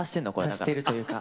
足してるというか。